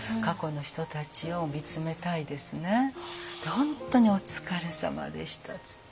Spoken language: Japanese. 本当にお疲れさまでしたっつって。